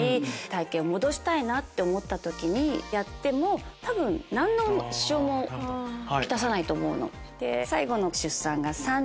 体形を戻したいなって思った時にやっても多分何の支障も来さないと思うの。